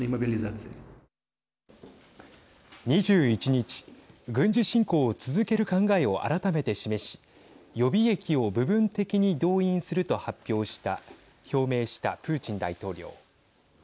２１日軍事侵攻を続ける考えを改めて示し予備役を部分的に動員すると表明したプーチン大統領。